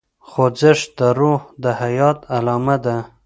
خوځښت د روح د حیات علامه ده.